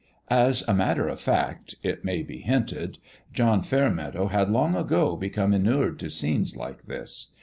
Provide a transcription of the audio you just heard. As a mat ter of fact it may be hinted John Fairmeadow had long ago become inured to scenes like this.